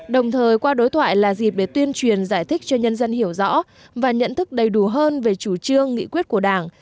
đồng thời qua đối thoại là dịp để tuyên truyền giải thích cho nhân dân hiểu rõ và nhận thức đầy đủ hơn về chủ trương nghị quyết của đảng